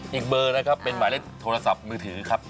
อีกเบอร์นะครับเป็นหมายเลขโทรศัพท์มือถือครับ